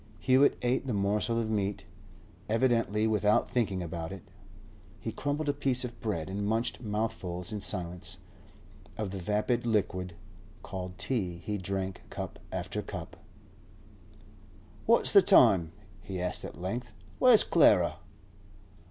Hewett ate the morsel of meat, evidently without thinking about it; he crumbled a piece of bread, and munched mouthfuls in silence. Of the vapid liquor called tea he drank cup after cup. 'What's the time?' he asked at length. 'Where's Clara?